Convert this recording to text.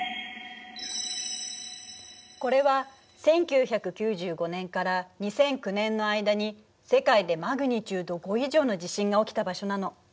これは１９９５年から２００９年の間に世界でマグニチュード５以上の地震が起きた場所なの。